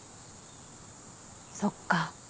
そっか。